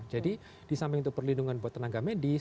jadi disamping itu perlindungan buat tenaga medis